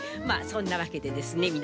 まあそんなわけでですね